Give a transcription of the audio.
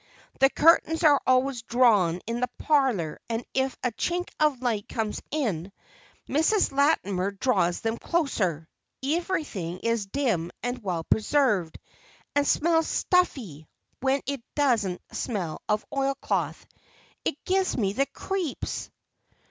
The curtains are always drawn in the parlor, and if a chink of light comes in, Mrs. Latimer draws them closer; everything is dim and well preserved, and smells stuffy when it doesn't smell of oilcloth. It gives me the creeps!"